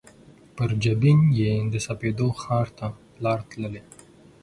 پر جبین یې د سپېدو ښار ته لار تللي